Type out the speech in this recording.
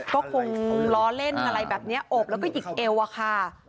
ก็คงล้อเล่นอะไรแบบนี้อบแล้วก็หยิกเอวอะค่ะ